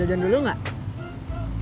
mau jajan dulu gak